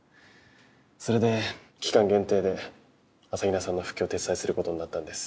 それで期間限定で朝比奈さんの復帰を手伝いすることになったんです。